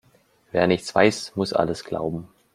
Wer nichts weiß, muss alles glauben.